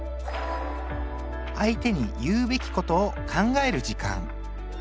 相手に言うべきことを考える時間。